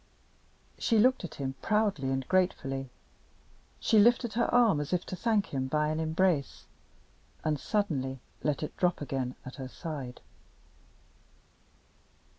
She looked at him proudly and gratefully; she lifted her arm as if to thank him by an embrace, and suddenly let it drop again at her side.